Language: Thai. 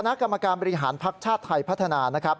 กรรมการบริหารภักดิ์ชาติไทยพัฒนานะครับ